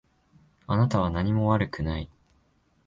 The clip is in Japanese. あなたは何も悪くない。